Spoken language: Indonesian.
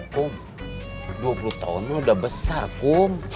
kum dua puluh tahunnya udah besar kum